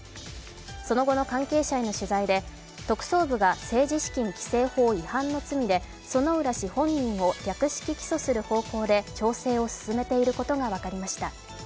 その後の関係者への取材で特捜部が政治資金規正法違反の罪で、薗浦氏本人を略式起訴する方向で調整を進めていることが分かりました。